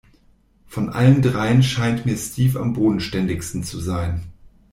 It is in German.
Von allen dreien scheint mir Steve am bodenständigsten zu sein.